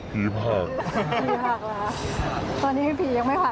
ผีผากเหรอตอนนี้ผียังไม่ผักไหม